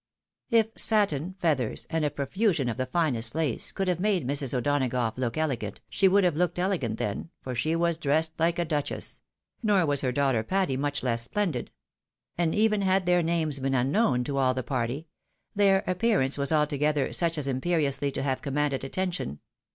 K satin, feathers, and a profusion of the finest lace, could have made Mrs. O'Donagough look elegant, she would have looked elegant then, for she was dressed like a duchess ; nor was her daughter Patty much less splendid ; and even had their names been unknown to all the party, their appearance was altogether such as imperiously to have commanded attention.